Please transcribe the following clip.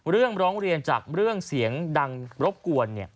ร้องเรียนจากเรื่องเสียงดังรบกวน